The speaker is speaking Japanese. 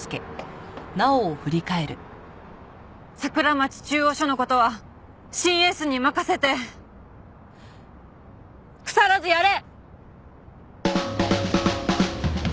桜町中央署の事はシン・エースに任せて腐らずやれ！